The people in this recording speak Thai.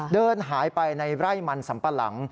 เดินหายไปในไร่มันสัมปะหลัง